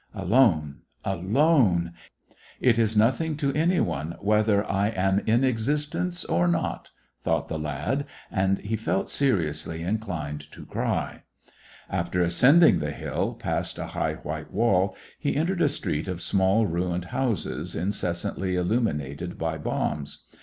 "Alone, alone ; it is nothing to any one whether I am in existence or not," thought the lad, and he felt seriously inclined to cry. After ascending the hill, past a high white wall, he entered a street of small ruined houses, inces santly illuminated by bombs.